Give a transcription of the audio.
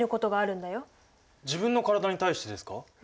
自分の体に対してですか？